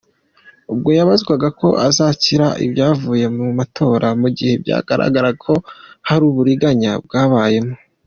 Ubwo yabazwaga uko azakira ibyavuye mu matora mu gihe byagaragara ko hari uburiganya bwayabayemo.